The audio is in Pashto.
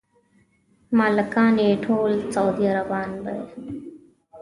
مالکان یې ټول سعودي عربان دي.